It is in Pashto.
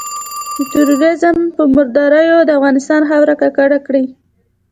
د ترورېزم په مرداریو د افغانستان خاوره ککړه کړي.